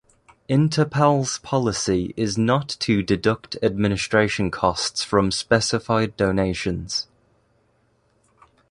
Interpals policy is not to deduct administration costs from specified donations.